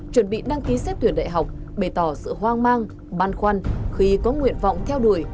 chuẩn bị đăng ký xét tuyển đại học bày tỏ sự hoang mang băn khoăn khi có nguyện vọng theo đuổi